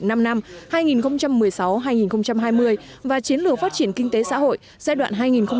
năm năm hai nghìn một mươi sáu hai nghìn hai mươi và chiến lược phát triển kinh tế xã hội giai đoạn hai nghìn hai mươi một hai nghìn hai mươi